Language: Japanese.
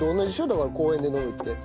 だから公園で飲むって。